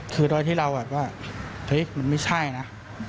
คือโดยที่เราก็ว่ามันมีช่ายนะ